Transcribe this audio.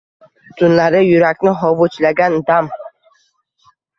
Tunlari yurakni hovuchlagan dam